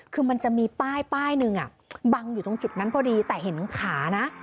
คือมันจะมีป้ายป้ายหนึ่งบังอยู่ตรงจุดนั้นพอดีแต่เห็นขานะ